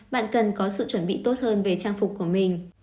bạn cần có sự chuẩn bị tốt hơn về trang phục của mình